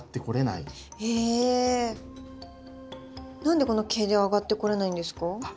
何でこの毛で上がってこれないんですか？